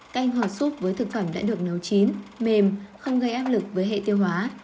canh hòa súp với thực phẩm đã được nấu chín mềm không gây áp lực với hệ tiêu hóa